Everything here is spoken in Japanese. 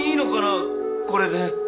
これで。